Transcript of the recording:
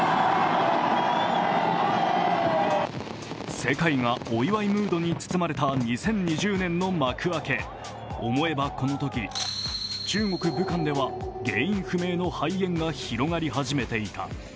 世界がお祝いムードに包まれた２０２０年の幕開け思えばこのとき、中国・武漢では原因不明の肺炎が広がり始めていた。